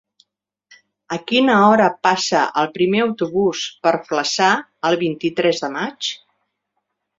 A quina hora passa el primer autobús per Flaçà el vint-i-tres de maig?